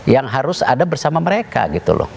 yang harus ada bersama mereka gitu loh